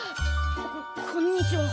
ここんにちは。